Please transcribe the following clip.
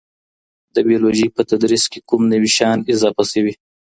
د بیولوژي په تدریس کي کوم نوي شیان اضافه سوي؟